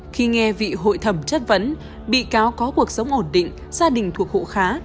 khi nghe vị hội thẩm chất vấn bị cáo có cuộc sống ổn định gia đình thuộc hộ khá